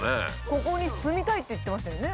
「ここに住みたい」って言ってましたよね。